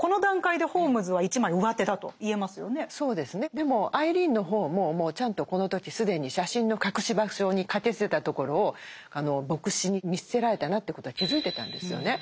でもアイリーンの方ももうちゃんとこの時既に写真の隠し場所に駆けつけたところを牧師に見つけられたなということは気付いてたんですよね。